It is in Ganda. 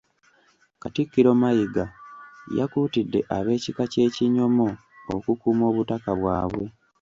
Katikkiro Mayiga yakuutidde ab'ekika ky'Ekinyomo okukuuma obutaka bwabwe.